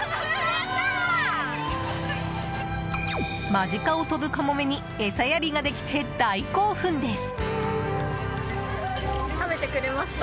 間近を飛ぶカモメに餌やりができて大興奮です。